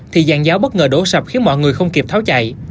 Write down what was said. thì giàn giáo bất ngờ đổ sập khiến mọi người không kịp tháo chạy